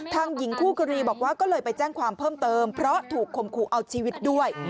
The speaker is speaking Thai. หญิงคู่กรณีบอกว่าก็เลยไปแจ้งความเพิ่มเติมเพราะถูกคมคู่เอาชีวิตด้วย